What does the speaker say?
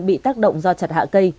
bị tác động do chặt hạ cây